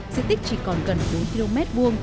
diện tích chỉ còn gần bốn km hai